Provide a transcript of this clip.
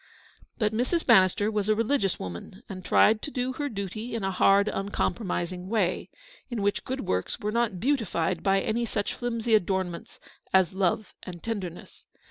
■ THE STORY OF THE PAST. 61 But Mrs. Bannister was a religious woman, and tried to do her duty in a hard, uncompromising way, in which good works were not beautified by any such flimsy adornments as love and tender ness.